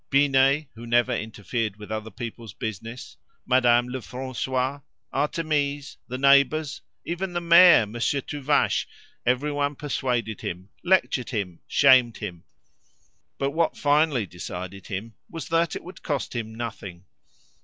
Binet, who never interfered with other people's business, Madame Lefrancois, Artémise, the neighbours, even the mayor, Monsieur Tuvache everyone persuaded him, lectured him, shamed him; but what finally decided him was that it would cost him nothing.